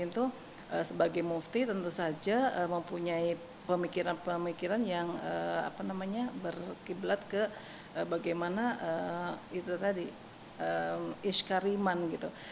karena mbah mukoyim itu sebagai mufti tentu saja mempunyai pemikiran pemikiran yang berkiblat ke bagaimana itu tadi isykariman gitu